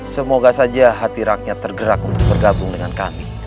semoga saja hati rakyat tergerak untuk bergabung dengan kami